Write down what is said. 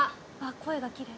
声がきれい。